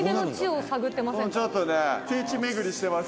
ちょっとね。